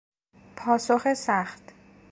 پاسخ سخت